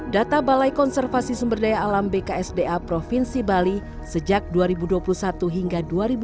data balai konservasi sumber daya alam bksda provinsi bali sejak dua ribu dua puluh satu hingga dua ribu dua puluh